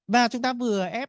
và chúng ta vừa ép